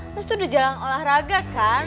terus tuh udah jalan olahraga kan